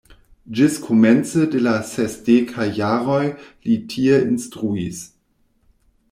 Ĝis komence de la sesdekaj jaroj li tie instruis.